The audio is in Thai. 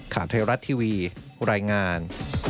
ขาเทรัสทีวีรายงาน